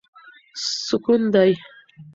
سکون دی.